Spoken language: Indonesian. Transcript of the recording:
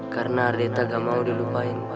karena ardheta gak mau dilupain